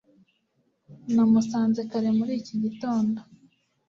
Namusanze kare muri iki gitondo